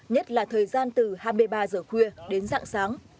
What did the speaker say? nhất là thời gian từ hai mươi ba giờ khuya đến dạng sáng